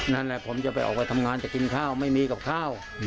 นั่นแหละผมจะไปออกไปทำงานจะกินข้าวไม่มีกับข้าว